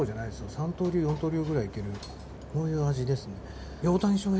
三刀流四刀流くらいいけるそういう味ですね。